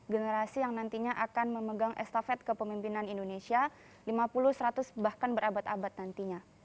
generasi yang nantinya akan memegang estafet kepemimpinan indonesia lima puluh seratus bahkan berabad abad nantinya